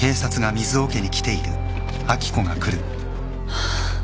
ああ。